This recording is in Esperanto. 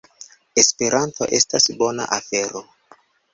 Esperanto estas bona afero!